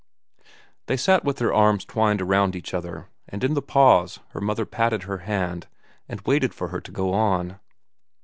They sat with their arms twined around each other, and in the pause her mother patted her hand and waited for her to go on.